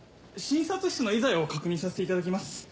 診察室の医材を確認させていただきます。